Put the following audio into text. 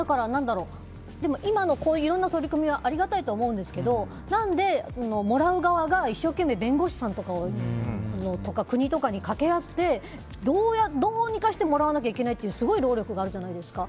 でも、今のいろんな取り組みはありがたいと思うけど何でもらう側が一生懸命弁護士さんとか国とかに掛け合ってどうにかしてもらわないといけないというすごい労力があるじゃないですか。